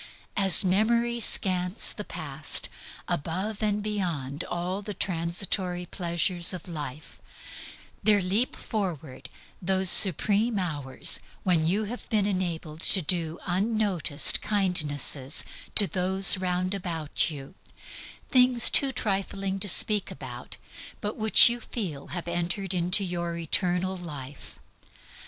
As memory scans the past, above and beyond all the transitory pleasures of life, there leap forward those supreme hours when you have been enabled to do unnoticed kindnesses to those round about you, things too trifling to speak about, but which you feel have entered into your eternal life.